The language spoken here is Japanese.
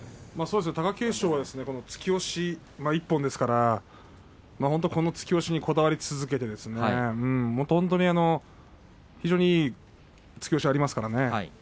貴景勝は突き押し１本ですから突き押しにこだわり続けて非常にいい突き押しがありますからね。